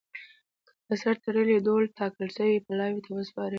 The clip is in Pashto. کي په سر تړلي ډول ټاکل سوي پلاوي ته وسپاري.